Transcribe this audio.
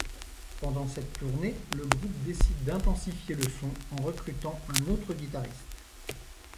Pendant cette tournée, le groupe décide d'intensifier le son en recrutant un autre guitariste.